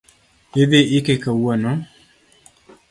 Idhii ike kawuono